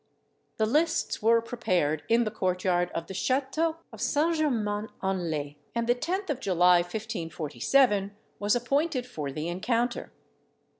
The lists were prepared in the court yard of the chateau of St. Germain en Laye, and the 10th of July, 1547, was appointed for the encounter.